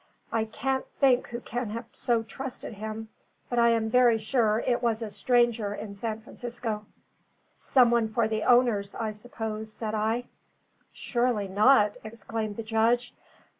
I can't think who can have so trusted him, but I am very sure it was a stranger in San Francisco." "Some one for the owners, I suppose," said I. "Surely not!" exclaimed the judge.